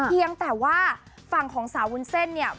เพียงแต่ว่าฝั่งของสาววุ้นเส้นเนี่ย